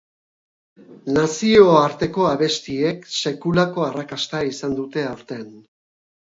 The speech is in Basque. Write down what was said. Nazioarteko abestiek sekulako arrakasta izan dute aurten.